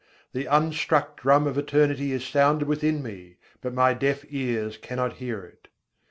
The unstruck drum of Eternity is sounded within me; but my deaf ears cannot hear it.